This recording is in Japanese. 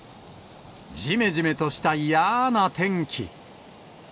じめじめとした嫌な天気。